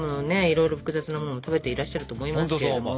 いろいろ複雑なものを食べていらっしゃると思いますけども。